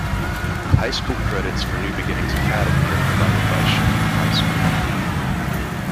High school credits for New Beginnings Academy are provided by Chanute High School.